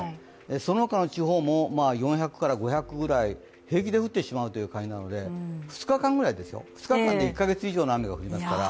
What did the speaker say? そのほかの地方も４００から５００ぐらい平気で降ってしまうという感じなので２日間で１か月以上の雨が降りますから。